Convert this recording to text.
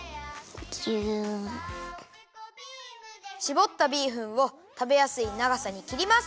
しぼったビーフンをたべやすいながさにきります。